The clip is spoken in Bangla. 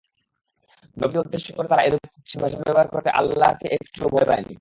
নবীকে উদ্দেশ করে তারা এরূপ কুৎসিৎ ভাষা ব্যবহার করতে আল্লাহকে একটুও ভয় পায়নি।